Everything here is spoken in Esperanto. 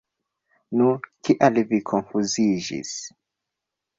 Nu, kial vi konfuziĝis?